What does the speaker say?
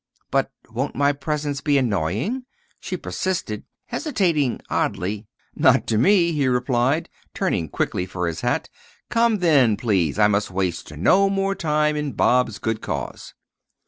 "But won't my presence be annoying?" she persisted, hesitating oddly. "Not to me," he replied, turning quickly for his hat. "Come, then, please, I must waste no more time in Bob's good cause."